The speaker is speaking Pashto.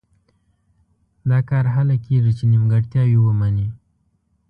دا کار هله کېږي چې نیمګړتیاوې ومني.